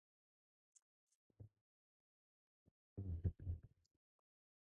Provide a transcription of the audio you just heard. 危険が目の前に迫っている状況。または、そのような状況の人のこと。